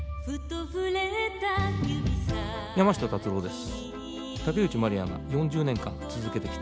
山下達郎です。